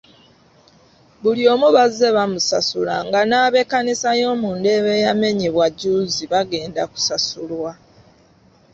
Buli omu bazze bamusasula nga n’abekkanisa y’omu Ndeeba eyamanyebwa jjuuzi bagenda kusasulwa .